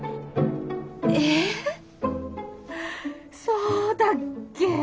えそうだっけ？